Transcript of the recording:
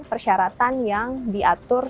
persyaratan yang diatur